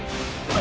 あ。